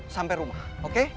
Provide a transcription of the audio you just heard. sampai rumah oke